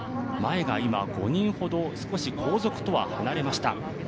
前が今、５人ほど少し後続とは離れました。